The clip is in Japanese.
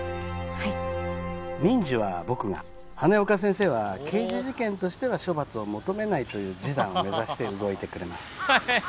はい民事は僕が羽根岡先生は刑事事件としては処罰を求めないという示談を目指して動いてくれます